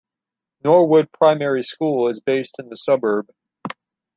Norwood Primary School is based in the suburb.